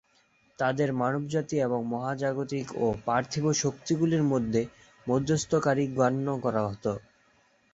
তাঁদের মানবজাতি এবং মহাজাগতিক ও পার্থিব শক্তিগুলির মধ্যে মধ্যস্থতাকারী গণ্য করা হত।